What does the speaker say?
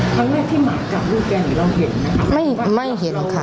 ครั้งแรกที่หมากับลูกแกนี่เราเห็นนะครับ